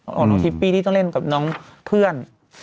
ของน้องทิปปี้ที่ต้องเล่นกับน้องเพื่อน